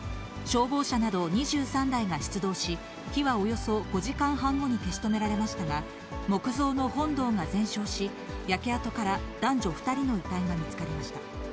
消防車など２３台が出動し、火はおよそ５時間半後に消し止められましたが、木造の本堂が全焼し、焼け跡から男女２人の遺体が見つかりました。